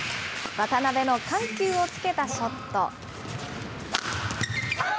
渡辺の緩急をつけたショット。